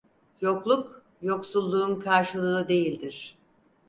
Yokluk, yoksulluğun karşılığı değildir.